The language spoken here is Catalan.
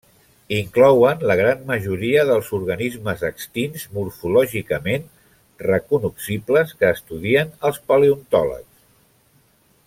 Inclouen la gran majoria dels organismes extints morfològicament recognoscibles que estudien els paleontòlegs.